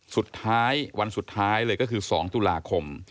สุดท้ายวันสุดท้ายเลยก็คือ๒ตุลาคม